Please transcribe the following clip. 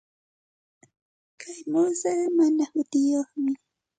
Kay muusuqa mana hutiyuqmi.